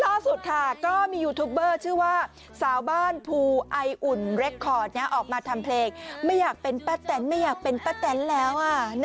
ล่าสุดค่ะก็มียูทูปเบอร์ชื่อว่าสาวบ้านภูไออุ่นเรคคอร์ดออกมาทำเพลงไม่อยากเป็นป้าแตนไม่อยากเป็นป้าแตนแล้ว